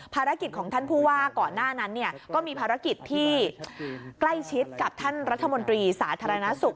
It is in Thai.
ภารกิจของท่านผู้ว่าก่อนหน้านั้นก็มีภารกิจที่ใกล้ชิดกับท่านรัฐมนตรีสาธารณสุข